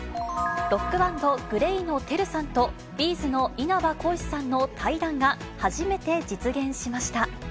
ロックバンド、ＧＬＡＹのＴＥＲＵさんと、Ｂ’ｚの稲葉浩志さんの対談が初めて実現しました。